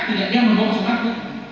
tức là đem đồng bộ xuống bắc nữa